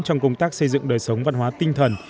trong công tác xây dựng đời sống văn hóa tinh thần